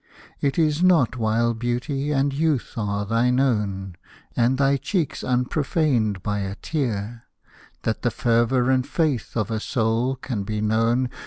It is not while beauty and youth are thine own. And thy cheeks unprofaned by a tear, That the fervour and faith of a soul can be known.